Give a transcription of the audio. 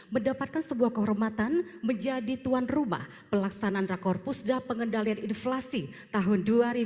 mendapatkan sebuah kehormatan menjadi tuan rumah pelaksanaan rakor pusda pengendalian inflasi tahun dua ribu dua puluh